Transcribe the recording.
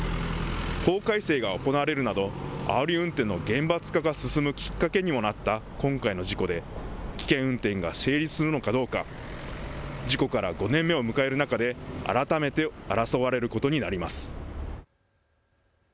法改正が行われるなどあおり運転の厳罰化が進むきっかけにもなった今回の事故で危険運転が成立するのかどうか事故から５年目を迎える中で改めて争われることになります。